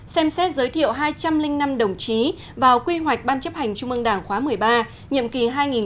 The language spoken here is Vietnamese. xem xét giới thiệu hai trăm linh năm đồng chí vào quy hoạch ban chấp hành trung ương đảng khóa một mươi ba nhiệm kỳ hai nghìn hai mươi một hai nghìn hai mươi sáu